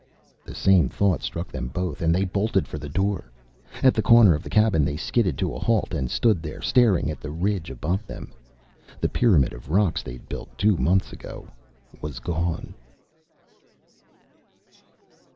The same thought struck them both and they bolted for the door. At the corner of the cabin, they skidded to a halt and stood there, staring at the ridge above them. The pyramid of rocks they'd built two months ago was gone!